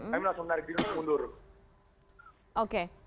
kami langsung menarik diri kita mundur